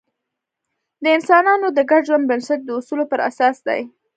د انسانانو د ګډ ژوند بنسټ د اصولو پر اساس دی.